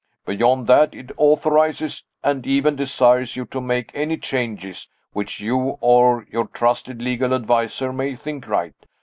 Beyond that it authorizes and even desires you to make any changes which you or your trusted legal adviser may think right.